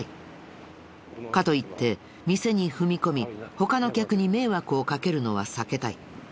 かといって店に踏み込み他の客に迷惑をかけるのは避けたい。